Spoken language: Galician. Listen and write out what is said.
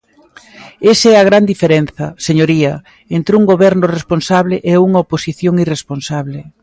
Esa é a gran diferenza, señoría, entre un goberno responsable e unha oposición irresponsable.